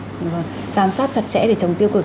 giám sát chặt chẽ để chống tiêu cực